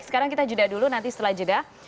sekarang kita jeda dulu nanti setelah jeda